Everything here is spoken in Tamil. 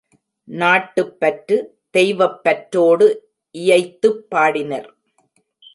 நாட்டுப் பற்று தெய்வப் பற்றோடு இயைத்துப் பாடினர்.